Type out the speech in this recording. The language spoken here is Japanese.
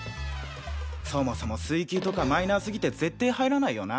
そもそも水球とかマイナーすぎてぜってえ入らないよな。